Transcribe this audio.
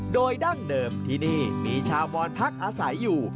โดยดั้งเดิมที่นี่มีชาวบอนพักอาศัยอยู่